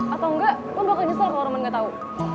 atau engga lo bakal nyesel kalo roman ga tau